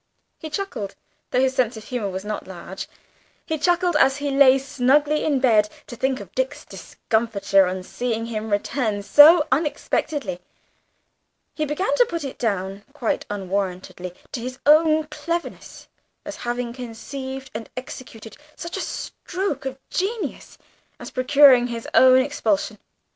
He chuckled though his sense of humour was not large he chuckled, as he lay snugly in bed, to think of Dick's discomfiture on seeing him return so unexpectedly; he began to put it down, quite unwarrantably, to his own cleverness, as having conceived and executed such a stroke of genius as procuring his own expulsion.